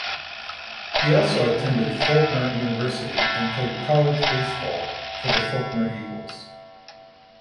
He also attended Faulkner University and played college baseball for the Faulkner Eagles.